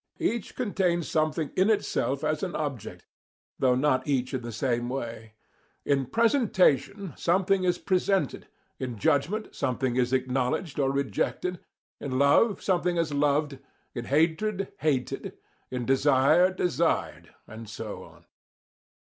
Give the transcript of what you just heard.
Each contains something in itself as an object, though not each in the same way. In presentation something is presented, in judgment something is acknowledged or rejected, in love something is loved, in hatred hated, in desire desired, and so on.